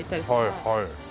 はいはい。